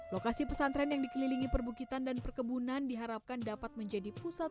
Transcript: lokasi pesantren yang dikelilingi perbukitan dan perkebunan diharapkan dapat menjadi pusat